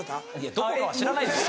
どこかは知らないですよ。